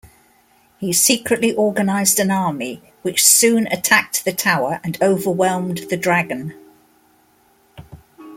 He secretly organized an army which soon attacked the Tower and overwhelmed the Dragon.